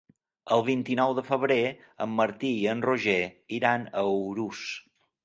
El vint-i-nou de febrer en Martí i en Roger iran a Urús.